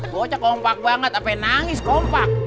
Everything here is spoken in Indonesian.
bocah kompak banget sampai nangis kompak